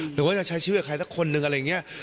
หรืองว่าจะใช้ชีวิตกับใครสักคนหนึ่งอะไรนะ